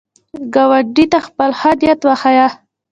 ګاونډي ته خپل ښه نیت وښیه